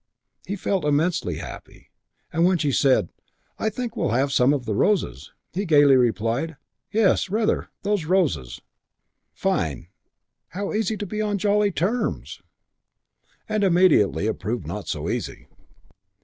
He felt immensely happy. And when she said, "I think we'll have some of the roses," he gaily replied, "Yes, rather. These roses!" Fine! How easy to be on jolly terms! And immediately it proved not so easy.